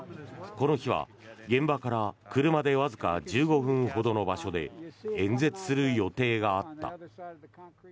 この日は現場から車でわずか１５分ほどの場所で演説する予定があった。